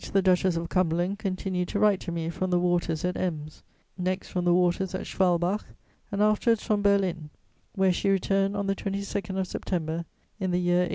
the Duchess of Cumberland continued to write to me from the waters at Ems, next from the waters at Schwalbach, and afterwards from Berlin, where she returned on the 22nd of September in the year 1821.